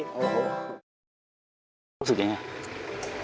มันรู้สึกอย่างไร